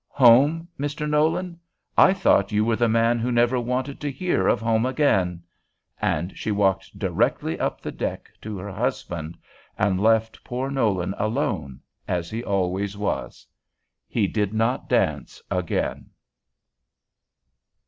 "Home!! Mr. Nolan!!! I thought you were the man who never wanted to hear of home again!" and she walked directly up the deck to her husband, and left poor Nolan alone, as he always was. He did not dance again.